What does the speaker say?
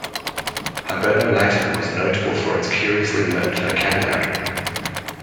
Hiberno-Latin was notable for its curiously learned vocabulary.